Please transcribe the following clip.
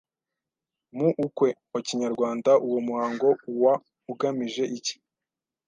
mu ukwe wa kinyarwanda Uwo muhango ua ugamije iki